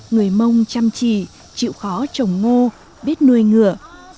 người mông chăm chỉ chịu khó trồng ngô biết nuôi ngựa